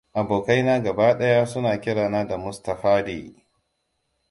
Abokaina gaba ɗaya suna kirana da Mustaphady.